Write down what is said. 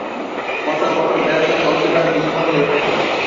বছর বছর ব্যবসায়িক অংশীদার ভিন্নতর হয়ে থাকে।